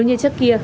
nếu như trước kia